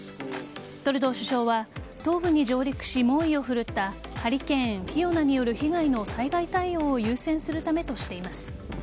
トルドー首相は東部に上陸し、猛威を振るったハリケーン・フィオナによる被害の災害対応を優先するためとしています。